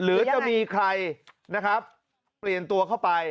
หรือจะมีใครนะครับเปลี่ยนตัวเข้าไป